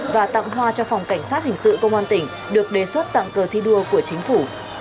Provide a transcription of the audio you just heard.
và tặng hoa cho phòng cảnh sát hình sự công an tỉnh được đề xuất tặng cờ thi đua của chính phủ